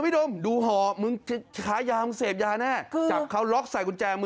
ไม่อันนี้ให้ใส่นานครับ